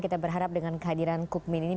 kita berharap dengan kehadiran kukmin ini